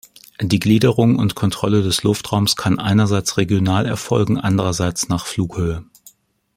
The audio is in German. Die Gliederung und Kontrolle des Luftraums kann einerseits regional erfolgen, andererseits nach Flughöhe.